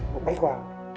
nó bay qua